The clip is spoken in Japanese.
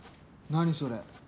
何それ？